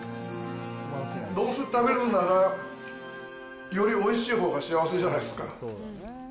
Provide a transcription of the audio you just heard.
どうせ食べるなら、よりおいしいほうが幸せじゃないですか。